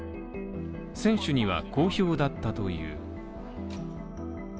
選手には好評だったという。